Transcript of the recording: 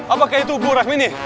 apa kayak itu bu rekmi nih